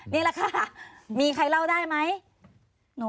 นี่แหละค่ะมีใครเล่าได้ไหม